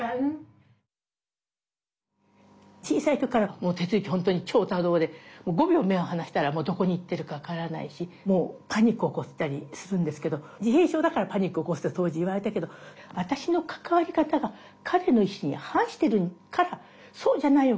小さい時からもう徹之本当に超多動で５秒目を離したらもうどこに行ってるか分からないしもうパニック起こしたりするんですけど自閉症だからパニック起こすって当時いわれたけど私の関わり方が彼の意思に反してるからそうじゃないよ